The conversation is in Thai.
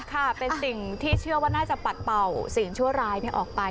ค่ะเป็นสิ่งที่เชื่อว่าน่าจะปัดเป่าสิ่งชั่วร้ายออกไป